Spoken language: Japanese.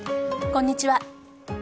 こんにちは。